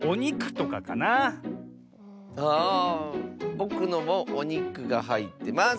ぼくのもおにくがはいってます！